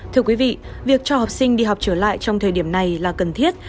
thưa quý vị việc cho học sinh đi học trở lại trong thời điểm này là cần thiết